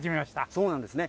そうなんですね。